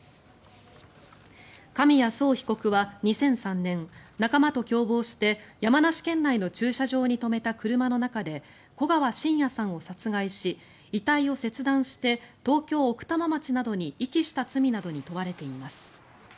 紙谷惣被告は２００３年仲間と共謀して山梨県内の駐車場に止めた車の中で古川信也さんを殺害し遺体を切断して東京・奥多摩町などに遺棄した罪などに問われています。